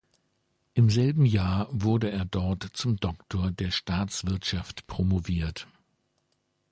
Im selben Jahr wurde er dort zum Doktor der Staatswirtschaft promoviert.